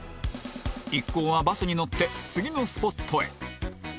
一行はバスに乗って次のスポットへ